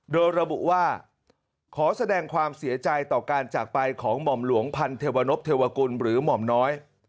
โดยระบุว่าขอแสดงความเสียใจต่อการจากไปของหม่อมหลวงพันเทวนพเทวกุลหรือหม่อมน้อย